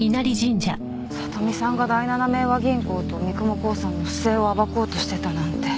さとみさんが第七明和銀行と三雲興産の不正を暴こうとしてたなんて。